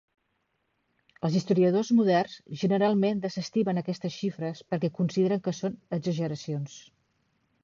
Els historiadors moderns generalment desestimen aquestes xifres perquè consideren que són exageracions.